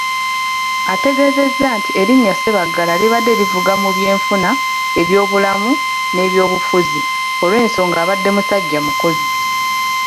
Ategeezezza nti erinnya Sebaggala libadde livuga mu byenfuna, ebyobulamu, n'eby'obufuzi olw'ensonga abadde musajja mukozi.